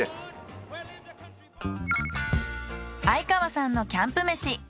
相川さんのキャンプ飯。